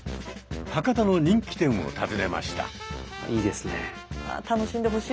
博多の人気店を訪ねました。